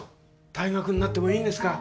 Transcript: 退学になってもいいんですか？